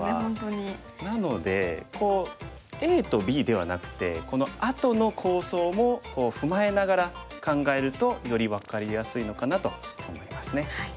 なのでＡとＢではなくてこのあとの構想も踏まえながら考えるとより分かりやすいのかなと思いますね。